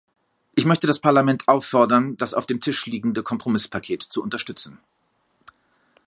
Ich möchte das Parlament auffordern, das auf dem Tisch liegende Kompromisspaket zu unterstützen.